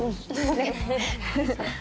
ねっ。